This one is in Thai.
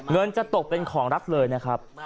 เงินจะตกเป็นของรัฐเลยนะครับ